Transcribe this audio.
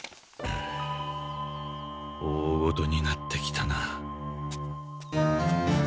おおごとになってきたな。